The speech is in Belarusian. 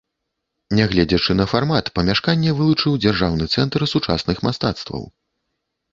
Нягледзячы на фармат, памяшканне вылучыў дзяржаўны цэнтр сучасных мастацтваў.